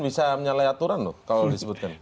bisa menyalahi aturan loh kalau disebutkan